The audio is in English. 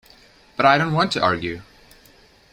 But I don't want to argue.